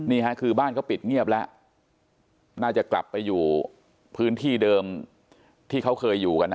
นี่ฮะคือบ้านเขาปิดเงียบแล้วน่าจะกลับไปอยู่พื้นที่เดิมที่เขาเคยอยู่กันนะ